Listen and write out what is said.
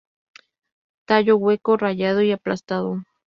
Tallo hueco, rayado y aplastado.